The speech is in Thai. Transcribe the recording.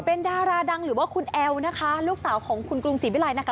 เป็นดาราดังหรือว่าคุณแอลนะคะลูกสาวของคุณกรุงศรีวิรัยนะคะ